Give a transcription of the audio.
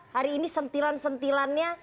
hari ini sentilan sentilannya